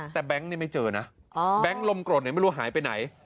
แต่แบงค์นี่ไม่เจอนะแบงค์ลมกรดไม่รู้หายไปไหน